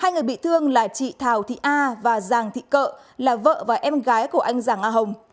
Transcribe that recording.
hai người bị thương là chị thảo thị a và giàng thị cợ là vợ và em gái của anh giàng a hồng